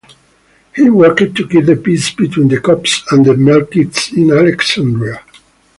He worked to keep the peace between the Copts and the Melkites in Alexandria.